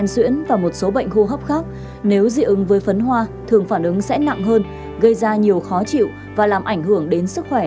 xin cảm ơn bác sĩ với những chia sẻ vừa rồi